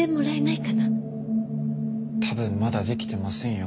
多分まだできてませんよ